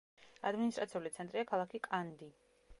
ადმინისტრაციული ცენტრია ქალაქი კანდი.